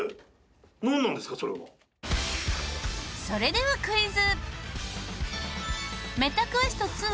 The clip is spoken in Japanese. それではクイズ！